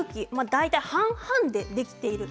大体半々で、できています。